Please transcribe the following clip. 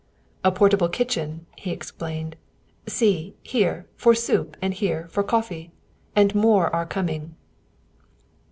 "A portable kitchen!" he explained. "See, here for soup and here for coffee. And more are coming."